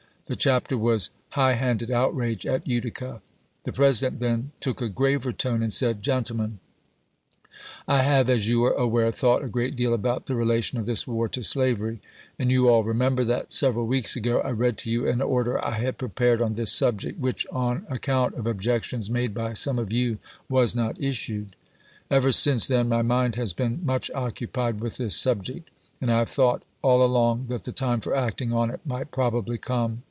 The chapter was "High handed Outrage at Utica." The President then took a graver tone, and said, "Gentlemen: I have, as you are aware, thought a great deal about the relation of this war to slavery; and you all remember that, several weeks ago, I read to you an order I had prepared on this subject, which, on account of objections made by some of you, was not issued. Ever since then my mind has been much occupied with this subject, and I have thought, all along, that the time for acting on it might probably come.